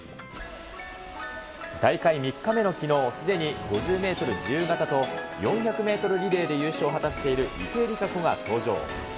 大会３日目のきのう、すでに５０メートル自由形と、４００メートルリレーで優勝を果たしている池江璃花子が登場。